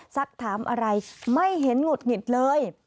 สักถามอะไรไม่เห็นหงุดหงิดเลย